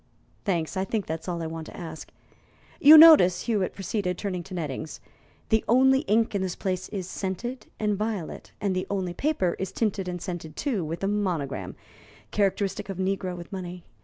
"Thanks. I think that's all I want to ask. You notice," Hewitt proceeded, turning to Nettings, "the only ink in this place is scented and violet, and the only paper is tinted and scented, too, with a monogram characteristic of a negro with money.